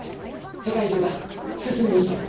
世界中が進んでいきます。